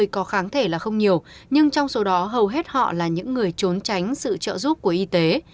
có kháng thể là không nhiều nhưng trong số đó hầu hết họ là những người trốn tránh sự trợ giúp của y tế